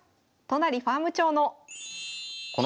都成ファーム長の。